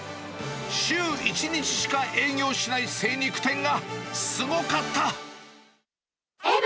週１日しか営業しない精肉店がすごかった。